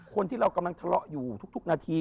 คนที่เรากำลังทะเลาะอยู่ทุกนาที